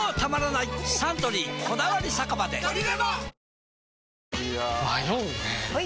いや迷うねはい！